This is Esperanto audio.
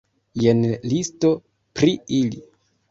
Jen listo pri ili.